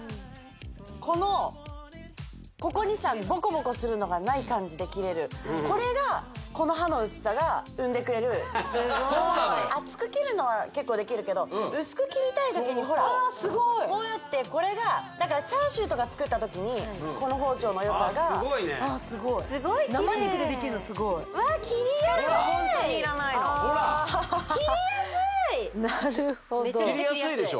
このここにさボコボコするのがない感じで切れるこれがこの刃の薄さが生んでくれる厚く切るのは結構できるけど薄く切りたい時にほら・ああすごいこうやってこれがだからチャーシューとか作った時にこの包丁のよさがああすごいねすごいキレイ生肉でできるのすごい切りやすい力がホントにいらないの切りやすい切りやすいでしょ